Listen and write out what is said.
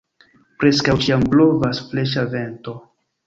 Preskaŭ ĉiam blovas freŝa vento.